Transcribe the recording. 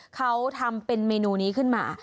เขาทำเป็นเมนูนี้ขึ้นมา